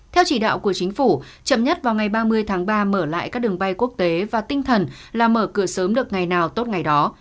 theo chỉ đạo của chính phủ chậm nhất vào ngày ba mươi tháng ba mở lại các đường bay quốc tế và tinh thần là mở cửa sớm được ngày nào tốt ngày đó